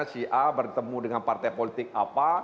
si a bertemu dengan partai politik apa